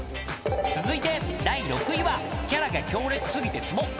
［続いて第６位はキャラが強烈過ぎてつぼ］